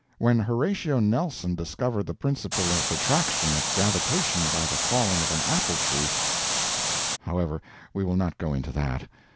When Horatio Nelson discovered the principle of attraction of gravitation by the falling of an apple tree—. However, we will not go into that.